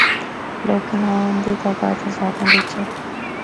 لیکن ہونڑ ان دی تعداد ہزاراں بچ اے۔